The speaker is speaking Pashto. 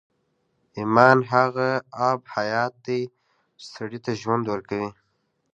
ایمان هغه آب حیات دی چې سړي ته ژوند ورکوي